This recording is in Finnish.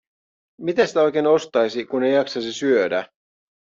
Mitä sitä oikein ostaisi, kun ei jaksaisi syödä?